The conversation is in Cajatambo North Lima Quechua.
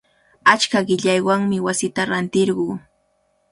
Achka qillaywanmi wasita rantirquu.